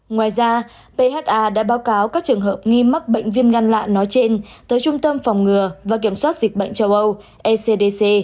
ngoài ra phà đã báo cáo các trường hợp nghi mắc bệnh viêm gan lạ nói trên tới trung tâm phòng ngừa và kiểm soát dịch bệnh châu âu ecdc